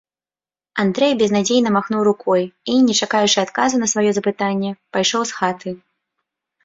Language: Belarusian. Андрэй безнадзейна махнуў рукой і, не чакаючы адказу на сваё запытанне, пайшоў з хаты.